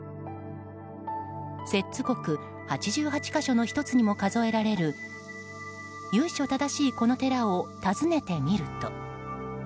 摂津国八十八か所の１つにも数えられる由緒正しいこの寺を訪ねてみると。